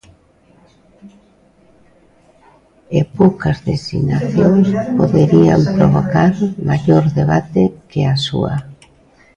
E poucas designacións poderían provocar maior debate que a súa.